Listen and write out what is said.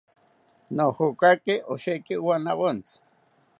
Nojokakiro osheki wanawontzi